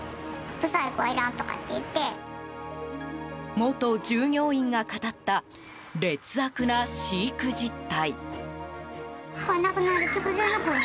元従業員が語った劣悪な飼育実態。